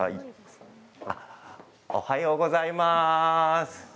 おはようございます。